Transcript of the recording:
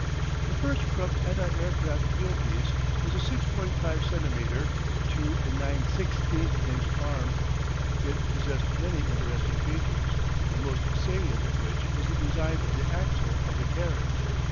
The first Krupp anti aircraft field piece was a 6.5 centimetre (2 9/16 inch) arm. It possessed many interesting features, the most salient of which was the design of the axle of the carriage.